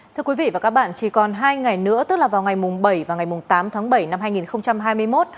thưa quý vị và các bạn chỉ còn hai ngày nữa tức là vào ngày bảy và ngày tám tháng bảy năm hai nghìn hai mươi một